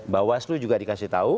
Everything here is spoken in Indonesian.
bawaslu juga dikasih tahu